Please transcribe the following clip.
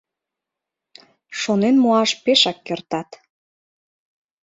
— Шонен муаш пешак кертат.